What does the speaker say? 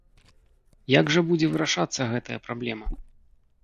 Як жа будзе вырашацца гэтая праблема?